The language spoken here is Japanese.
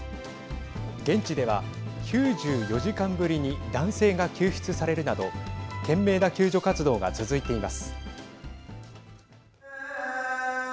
現地では、９４時間ぶりに男性が救出されるなど懸命な救助活動が続いています。